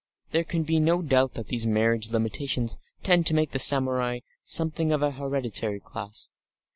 There can be no doubt that these marriage limitations tend to make the samurai something of an hereditary class.